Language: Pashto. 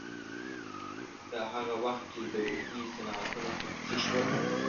دا هغه وخت چې دولتي صنعتونه خصوصي شول